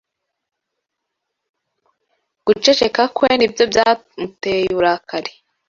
Guceceka kwe ni byo byamuteye uburakari